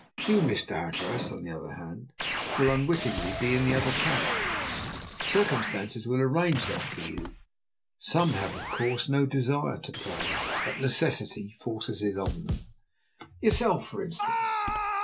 You, Mr. Hatteras, on the other hand, will, unwittingly, be in the other camp. Circumstances will arrange that for you. Some have, of course, no desire to prey; but necessity forces it on them. Yourself, for instance.